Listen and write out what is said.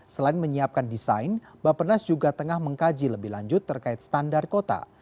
selain menyiapkan desain bapenas juga tengah mengkaji lebih lanjut terkait standar kota